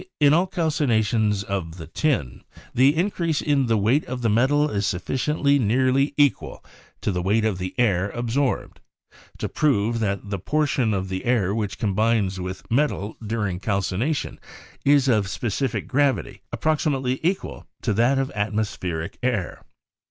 In all calcinations of the iin the increase in weight of the metal is sufficiently nearly equal to the weight of the air absorbed, to prove that the portion of the air which combines with the metal during calcination is of specific gravity approximately equal to that of at mospheric air."